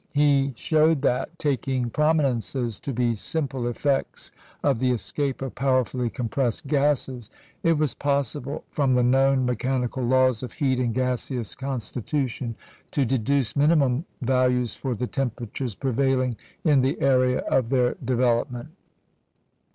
He showed that, taking prominences to be simple effects of the escape of powerfully compressed gases, it was possible, from the known mechanical laws of heat and gaseous constitution, to deduce minimum values for the temperatures prevailing in the area of their development.